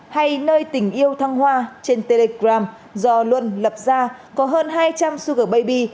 hay nơi tình yêu thăng hoa trên telegram do luân lập ra có hơn hai trăm linh sugar baby